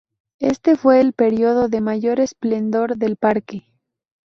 Este fue el período de mayor esplendor del parque.